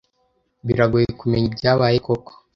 Biragoye kumenya ibyabaye koko.